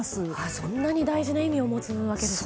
そんなに大事な意味を持つわけなんですね。